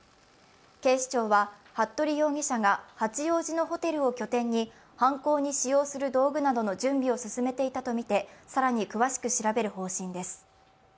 警視庁は服部容疑者が八王子のホテルを拠点に犯行に使用する道具などの準備を進めていたとみて更に詳しく調べる方針です。